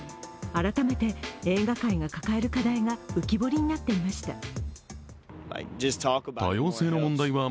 改めて映画界が抱える課題が浮き彫りになっていました。